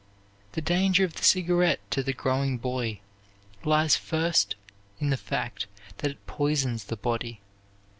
The danger of the cigarette to the growing boy lies first in the fact that it poisons the body.